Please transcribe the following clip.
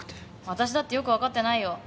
私だってよく分かってないよ。